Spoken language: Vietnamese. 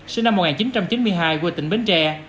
sinh năm một nghìn chín trăm chín mươi hai quê tỉnh bến tre